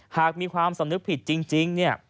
หากมีความสำนึกผิดจริงเนี่ย